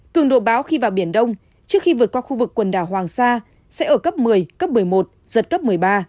cường độ báo khi vào biển đông trước khi vượt qua khu vực quần đảo hoàng sa sẽ ở cấp một mươi cấp một mươi một giật cấp một mươi ba